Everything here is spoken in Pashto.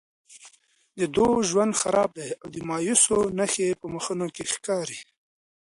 د دوی ژوند خراب دی او د مایوسیو نښې په مخونو کې ښکاري.